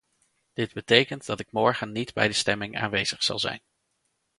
Dit betekent dat ik morgen niet bij de stemming aanwezig zal zijn.